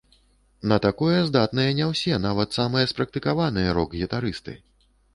На такое здатныя не ўсе, нават самыя спрактыкаваныя рок-гітарысты!